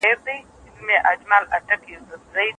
که خلګ د ښاروالۍ سره همکاري وکړي، نو ښاري پروژې نه ځنډیږي.